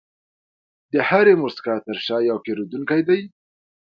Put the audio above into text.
د هرې موسکا تر شا یو پیرودونکی دی.